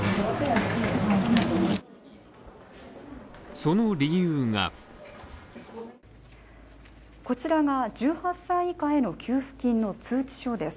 その理由がこちらが１８歳以下への給付金の通知書です。